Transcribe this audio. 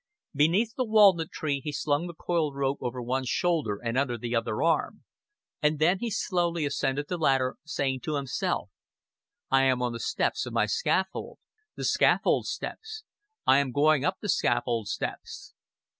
Beneath the walnut tree he slung the coiled rope over one shoulder and under the other arm; and then he slowly ascended the ladder, saying to himself: "I am on the steps of my scaffold. The scaffold steps. I am going up the scaffold steps."